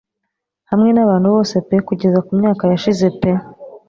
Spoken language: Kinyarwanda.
Hamwe nabantu bose pe kugeza kumyaka yashize pe